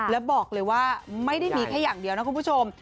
แล้วบอกเลยว่าไม่ได้มีแค่อย่างเดียวนะคุณผู้ชม